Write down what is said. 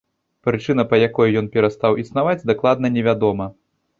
Прычына, па якой ён перастаў існаваць, дакладна не вядома.